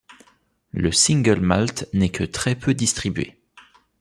Le single malt n’est que très peu distribué.